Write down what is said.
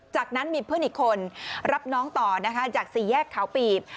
จากนั้นมีเพื่อนอีกคนรับน้องต่อนะคะจากสี่แยกเขาปีบ